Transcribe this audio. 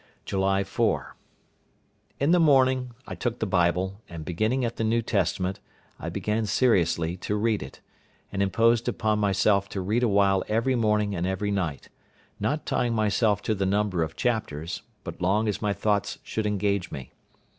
July 4.—In the morning I took the Bible; and beginning at the New Testament, I began seriously to read it, and imposed upon myself to read a while every morning and every night; not tying myself to the number of chapters, but long as my thoughts should engage me.